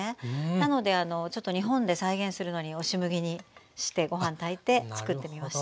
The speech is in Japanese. なのでちょっと日本で再現するのに押し麦にしてご飯炊いてつくってみました。